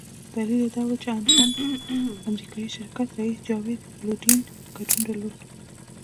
دلیل یې دا وو چې د انهم امریکایي شرکت رییس جاوید لودین ګډون درلود.